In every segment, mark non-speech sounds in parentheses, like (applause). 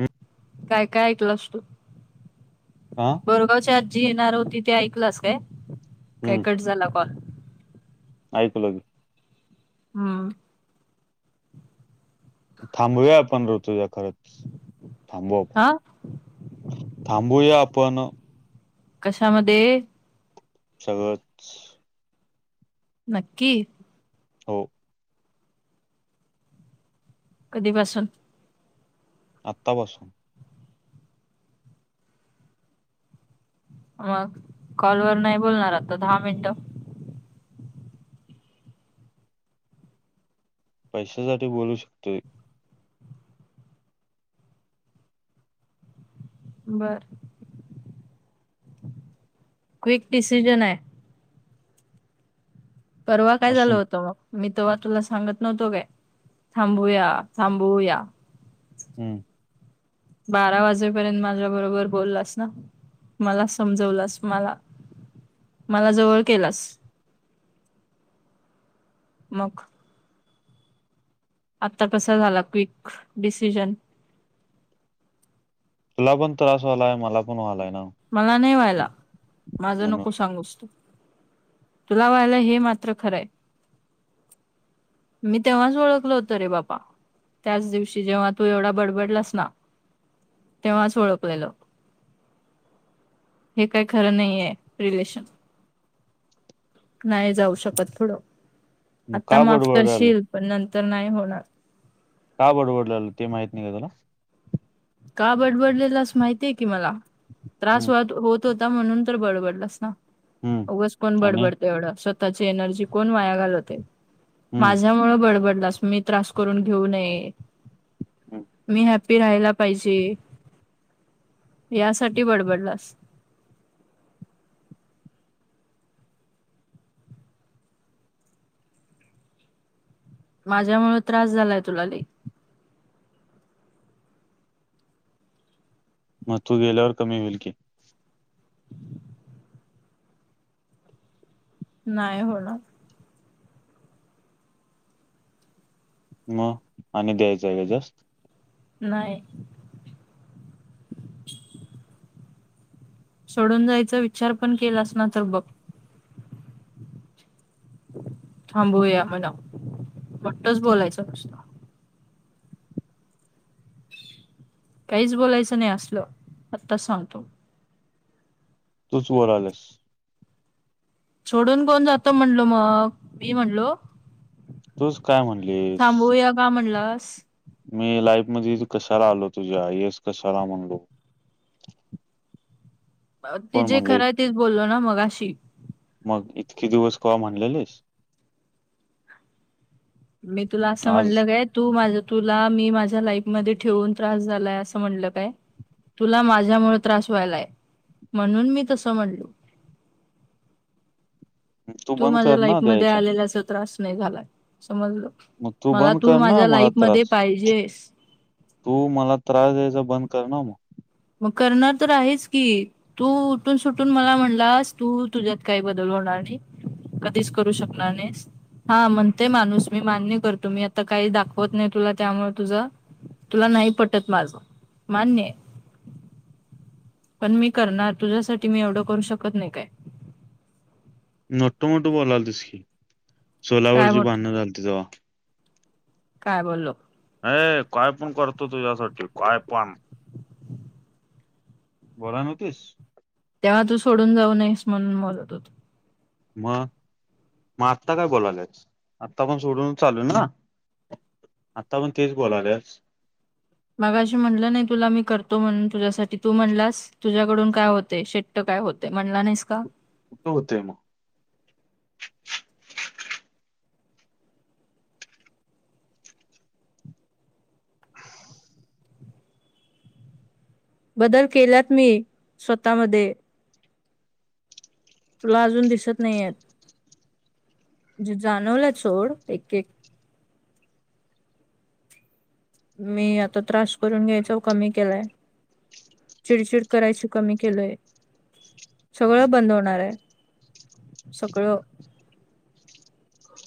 हम्म, काय काय ऐकलं ह बोरगावच्या आ जी येणार होती तेी ऐकलंस काय काय हम्म कट झाला कॉल ऐकलं की हम् थांबूया आपण ऋतूज खरच थांबू आपण हा थांबूया आपण कशामध्ये सगळंच नक्की हो कधीपासून आत्ता पा सून मग कॉलवरर नाही बोलणार आता दहा मिनटं पैशासाठी बोलू शकतोय बर क्विक डिसिजन आहे परवा काय झालं असून होतं मग मी ते्हा तुला सांगत नव्हतो काय थांबूया थांबवया हम्म बारा वाजेपर्यंत माझ्या बरोबर बोललास ना मला समजवलास मला मला जवळ केलास मग आता कसा झाला क्विक डिसिजन तुला पण त्रास झालाय मला पण व्हालाय ना मला नाही व्हायला माझ म्हणून नको सांगूचतो तुला व्हायला हे मात्र खरंय मी तेव्हाच ओळखल होतं रे बापा त्याच दिवशी जेव्हा तू एवढा बडबडलास ना तेव्हाच ओळखलेल हे काही खरं नाही आहे रिलेशन नाही जाऊ शकत थोडं मग आता का माफ बडबडायला करशील पण नंतर नाही होणार का बडबडलेलं ते माहित नाही का तुला का बडबडलेला अस माहितीय की मला त्रास हम्म हो होत होता म्हणून तर बडबडलास हम्म नाघच कोण आणि बडबड तेवढ स्वतःची एनर्जी कोण वाया घालवते हम्म माझ्यामुळे बडबडला स म त्रास करून घेऊ नय हम्म. मी हपी राला पाहिजे यासाठी बडबडला अस माझ्यामुळं त्रास झालाय तुला लय. म तू गेल्यावर कमी होईल की. (unintelligible) नाय होणार. मग आणि द्यायचाय का त्रास. नाही. सोडून जायचा विचार पण केलास ना तर बघ. थांबूया म्हण मोट्टच बोलायचं नुस्तं. काहीच बोलायचं नाही असलं आत्ताच सांगतो. तूच बोलल्यास. सोडून कोण जातो म्हणलो मग मी म्हणलो. तूच काय म्हणलीस थांबूया का म्हणलास. मी लाईफ मधे कशाला आलो तुझ्या येस कशाला म्हनलो. ते कोण जे म्हणलंय खरंय तेच बोललो ना मगाशी. मग इतके दिवस कवा म्हणल्यालीस. मी तुला असं आज म्हणलं. तू माझं तुला मी माझ्या लाईफ मध्ये ठेवून त्रास झालाय असं म्हणलं काय. तुला माझ्यामुळे त्रास व्हायलाय म्हणून मी तसं म्हणलो. तू बंद माझ्या कर लाईफ ना मध्ये द्यायचा आलेलाच त्रास नाही झालाय समजल. मग मला बंद तू कर ना माझ्या मला लाईफ मध्ये त्रास पाहिजेस. तू मला त्रास द्यायचा बंद कर ना मग. मग करणार तर आहेच की. तू उठून सुटून मला म्हणलास तू तुझ्यात काही बदल होणार नाही. कधीच करू शकणार नाहीस. हा म्हणते माणूस मी मान्य करतो मी आता काही दाखवत नाही तुला त्यामुळे तुझं तुला नाही पटत माझ मान्यय. पण मी करणार तुझ्यासाठी मी एवढं करू शकत नाही काय. मोठं मोठं बोलालतीस की काय सोलावरची मोठ भांडणं झालती तवा. काय बोललो. ये काय पण करतो तुझ्यासाठी काय पण. बोलाय न्हवतीस. तेव्हा तू सोडून जाऊ नयेस म्हणून बोलत होतो. मग मग आत्ता का बोलाल्यास आत्ता पण सोडूनच चाल्लोय ना. आता पण तेच बोलाल्यास. मागाशी म्हणलं नाय तुला मी करतो म्हणून तुझ्यासाठी तू म्हणलास तुझ्याकडून काय होतय शे काय होतय म्हणला नाहीस का? कुठं होतेय मग. बदल केल्यात मी स्वतः मधे. तुला अजून दिसत नाहीयेत. म्हणजे जाणवलेत सोड एक एक मी आता त्रास करून घ्यायचोव कमी केलाय. चिडचिड करायची कमी केलोय सगळ बंद होणार. सगळं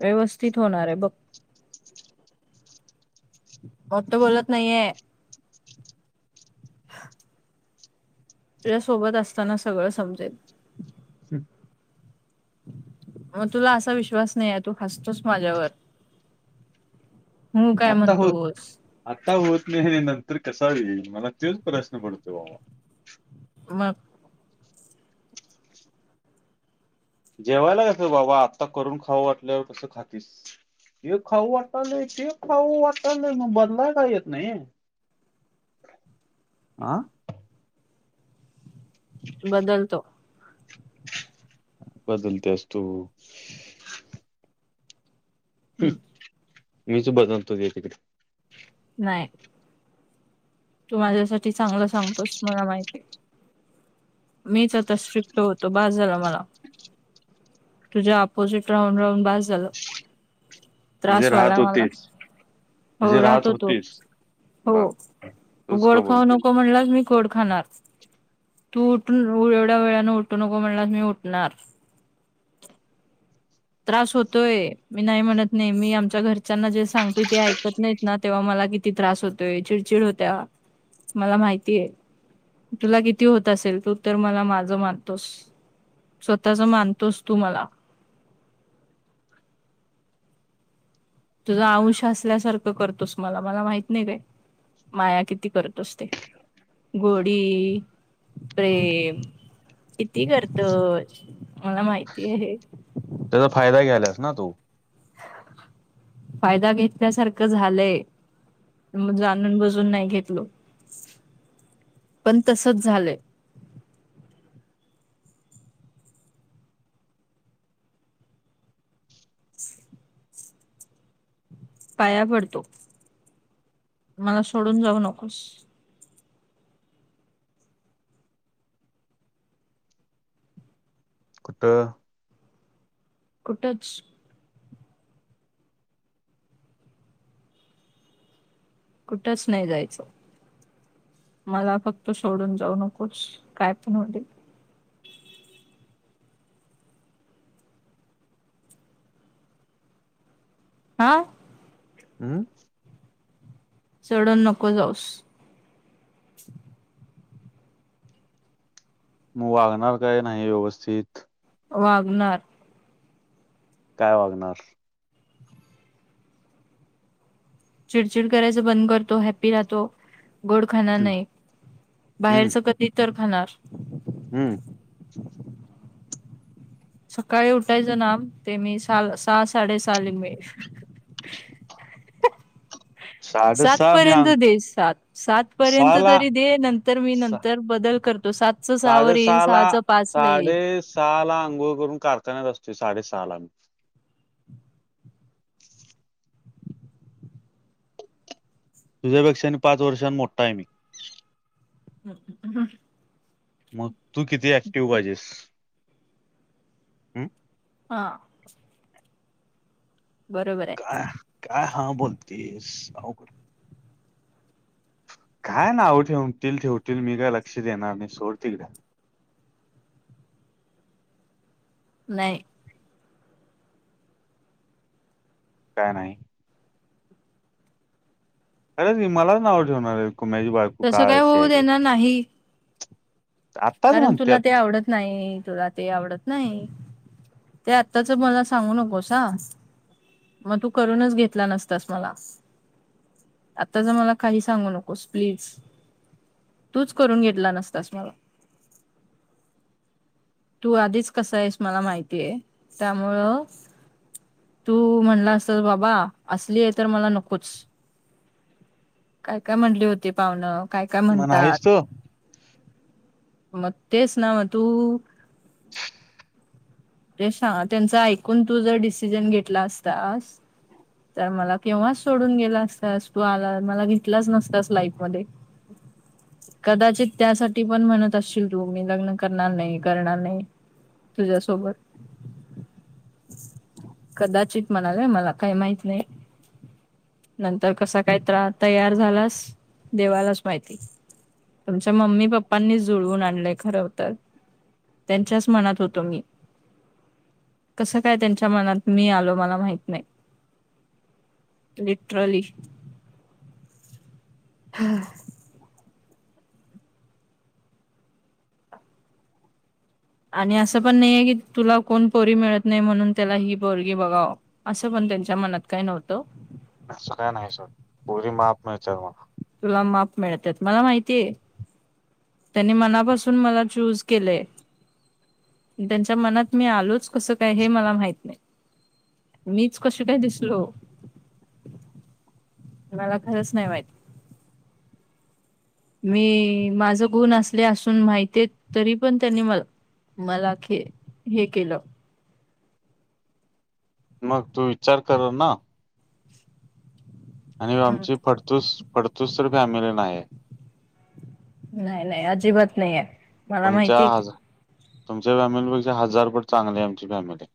व्यवस्थित होणारय बघ. मोठं बोलत नाहीये. तुझ्या सोबत असताना सगळं संपतय. मग तुला असा विश्वास नाहीये तू हासतोस माझ्यावर. हं काय आता होत म्हणतोस. आता होत नाही नंतर कसा येईल मला तोच प्रश्न पडतो बाबा मग जेवायला कसं बाबा आत्ता करून खावं वाटल्यावर कसं खातीस. हे खाऊ वाटालंय ते खाऊ वाटालंय मग बनवायला येत न्हाई. आा. बदलतो. बदलत्यास तू मीच बदलतो घे तिकडे नाही. तू माझ्यासाठी चांगलं सांगतोस मला माहिती मीच आता स्ट्रिक्ट होतो बास झाला मला तुझ्या अपोजिट राहून राहून बास झालं म्हणजे त्रास राहत व्हायला मला होतेच हो म्हणजे राहत राहतो तो होतीस बर हो तूच गोड कबूल खाऊ केलं. नको म्हणलाच मी गोड खाणार तू उठून एवढ्या वेळने उठू नको म्हणलास मी उठणार. त्रास होतोय मी नाही म्हणत नाही मी आमच्या घरच्यांना जे सांगतोय ते ऐकत नाही. ना तेव्हा मला किती त्रास होतोय चिडचिड होत्या मला माहिती आहे. तुला किती होत असेल तू तर मला माझं मानतोस. स्वतःच मानतोस तू मला तुझा आयुंश असल्यासारखं करतोस मला मला माहित नाही काय माया किती करतो ते गोडी प्रेम किती करतो मला माहिती आहे त्याचा फायदा घ्यायल्यास ना तू. फायदा घेतल्यासारखं झालंय मग जाणून बजून नाही घेतलो पण तसच झालंय अ पाया पडतो मला सोडून जाऊ नकोस त कुठच कुठच नाही जायचं मला फक्त सोडून जाऊ नकोस काय पण हो हा. हम सोडून नको जाऊस. मग वागणार काय नाही व्यवस्थित वागणार. काय वागणार चिडचिड करायच बंद करतो हॅप्पी राहतो गोड खाणार हम्म नाही हम्म बाहेरच क कधी तर घणार हम्म सकाळी उठायचं नाम ते मी सल सहा साडे सहाली मिळ (inaudible) सात साडेसहा मी पर्यंत अंग दे सात सात पर्यंत सहाला तरी दे नंतर मी सा नंतर बदल करत तो सातचं सहावर येईन सहाचं पाचलं येईल सहा ला आंघोळ करून कारखान्यात असते साडे सहाला मी तुझ्या पेक्षा पाच वर्षां नी मोठा आहे मी हो मग तू किती ऍक्टिव्ह पाहिजेस. हं ह बरोबर आहे अ अ, हा हा बोलतीस अवगड काय नाव ठेवतील ठेवतील मी काय लक्ष देणार नाही सोड तिकड नाही काय नाही अरे ती मलाच नाव, ठेणार आहे, कुमेश्वर. तसं काय होऊ देणार नाही. आत्ताच कारण तुला ते, म्हणत्यात आवडत नाही. तुला ते, आवडत नाही. ते आत्ताच मला सांगू, नकोस हः. मग तू करूनच, घेतला नसतास मला. आताचं ज मला काही, सांगू नकोस प्लीज. तूच करून घेतला, नसतास मला. तू आधीच कसा आहेस, मला माहिती आहे. त्यामुळं तू म्हणला असतास बाबा असली आहे तर, मला नकोच. काय काय म्हणली होती पाहुनं. काय काय मग म्हणतात नाहीस तर मग तेच ना मग तू तेचं ना त्यांच ऐकून तू जर, डिसिजन घेतला असतास. तर मला केव्हाच सोडून गेला असतास, तू आला मला घेतलाच नसतास लाईफ मध्ये. (unintelligible) कदाचित त्यासाठी पण, म्हणत असशील तू मी लग्न करणार नाही करणार नाही. तुझ्यासोबत. कदाचित म्हणाले, मला काही माहित नाही. नंतर कसा काय त्र तयार झालास, देवालाच माहिती. तुमच्या मम्मी पप्पांनीचं जुळवून आणलंय खरं होत. त्यांच्याच मनात होतो मी. कसं काय, त्यांच्या मनात मी आलो, मला माहित नाही. लिट्रली हः हं आणि असं पण नाहीये की, तुला कोण पोरी मिळत नाही म्हणून, त्याला ही पोरगी बघाव. असं पण, त्यांच्या मनात काही, नव्हतं. असं काय नाही सोड, पोरी माप मिळतात मला तुला माप, मिळत मला माहितीय. त्यांनी मनापासून, मला चूज केलेय. त्यांच्या मनात मी आलोच, कसं काय? हे, मला माहित नाही. मीच कस काय? दिसलो. मला खरंच नाही माहिती. मी माझ गुण असले असून माहिती तरी पण, त्यांनी मला. मला खे, हे केलं. मग तू, विचार कर ना. आणि हम्म आमची फडतूस, फडतूस तर फॅमिली नाही आहे. नाही नाही अजिबात नाही आहे. मला तुमच्या माहितीय की हज तुमच्या फॅमिलीपेक्षा, हजार पट चांगली आमची फॅमिली.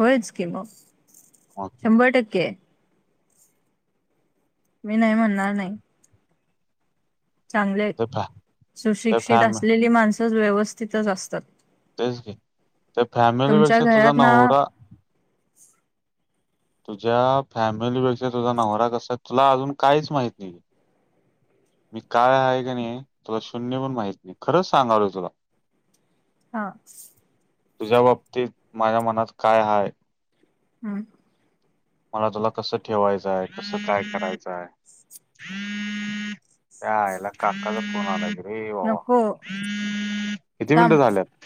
होयच कि मग मग शंभर टक्के आहे. मी नाही, म्हणणार नाही. चांगले ते फॅ ते सुशिक्षित फॅम असलेली, माणसं व्यवस्थितच असतात. तेच की, ते तुमच्या फॅमिलीपेक्षा तुझा घरात ना नवरा तुझ्या फॅमिलीपेक्षा तुझा नवरा कसा, तुला अजून काहीच माहत नाही. मी काय आहे का, नाही तुला शून्य पण माहित नाही. खरंच सांगाल तुला. हा (inaudible) तुझ्या बाबतीत माझ्या मनात काय हाय? हम मला तुला कसं ठेवायचंय, कसं काय करायचंय? च्यायला काकाचा फोन आलाय बघ अ वा वा नको किती थांब मिनिटं झाल्यात.